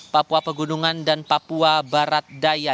papua pegunungan dan papua barat daya